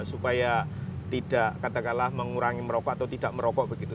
supaya tidak katakanlah mengurangi merokok atau tidak merokok begitu